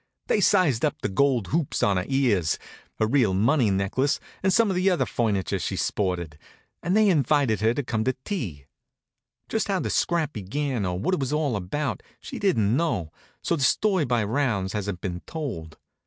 They sized up the gold hoops in her ears, her real money necklace and some of the other furniture she sported, and they invited her home to tea. Just how the scrap began or what it was all about she didn't know, so the story by rounds hasn't been told.